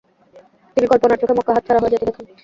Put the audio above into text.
তিনি কল্পনার চোখে মক্কা হাতছাড়া হয়ে যেতে দেখেন।